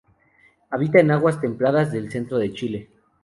Habita en aguas templadas del centro de Chile.